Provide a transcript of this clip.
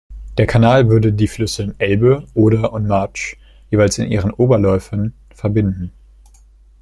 Der Kanal würde die Flüsse Elbe, Oder und March jeweils in ihren Oberläufen verbinden.